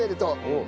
うん。